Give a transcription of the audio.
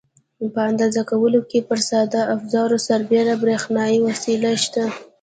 په اندازه کولو کې پر ساده افزارو سربېره برېښنایي وسایل شته.